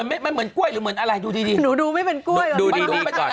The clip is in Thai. อ๋อไม่เหมือนกล้วยหรือดูดี